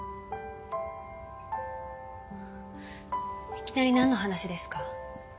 いきなりなんの話ですか？